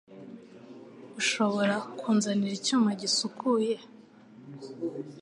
Ushobora kunzanira icyuma gisukuye?